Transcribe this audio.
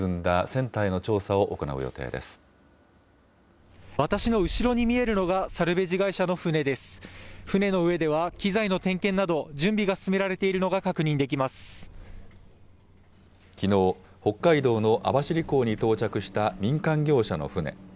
船の上では、機材の点検など、準備が進められているのが確認でききのう、北海道の網走港に到着した民間業者の船。